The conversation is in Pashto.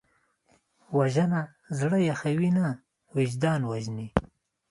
وژنه زړه یخوي نه، وجدان وژني